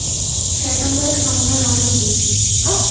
শেতাঙ্গরা সংখ্যায় অনেক বেশী।